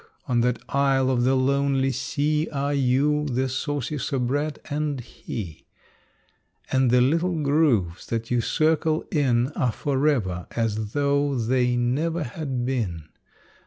On that isle of the lonely sea Are you, the saucy soubrette and he. And the little grooves that you circle in Are forever as though they never had been.